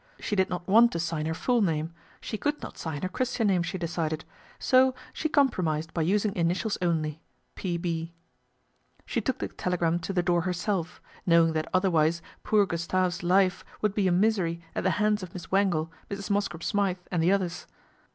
She did not want to sign her full name, she could not sign her Christian name she decided, so she compromised by using initials only, " P.B." She took the telegram to the door herself, knowing that otherwise poor Gustave's life would be a misery at the hands of Miss Wangle, Mrs. Mosscrop Smythe and the others.